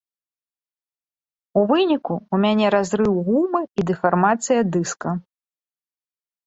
У выніку, у мяне разрыў гумы і дэфармацыя дыска.